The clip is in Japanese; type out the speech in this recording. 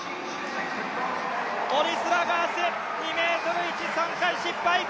オリスラガース、２ｍ１、３回失敗。